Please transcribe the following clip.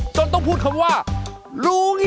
จนต้องพูดคำว่าหลูงอี้